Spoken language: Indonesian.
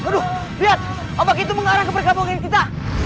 lihat obat itu mengarah ke bergabungan kita